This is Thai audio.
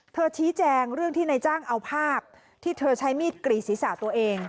ชี้แจงเรื่องที่นายจ้างเอาภาพที่เธอใช้มีดกรีดศีรษะตัวเอง